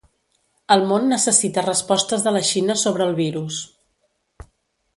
El món necessita respostes de la Xina sobre el virus.